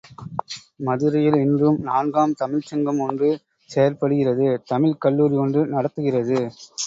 மதுரையில் இன்றும் நான்காம் தமிழ்ச் சங்கம் ஒன்று செயற்படுகிறது தமிழ்க் கல்லூரி ஒன்று நடத்துகிறது.